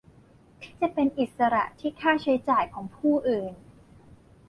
ที่จะเป็นอิสระที่ค่าใช้จ่ายของผู้อื่น